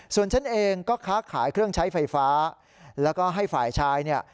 ส่วนฉันเองก็ค้าขายเครื่องใช้ไฟฟ้าแล้วก็ให้ฝ่ายชายเนี่ย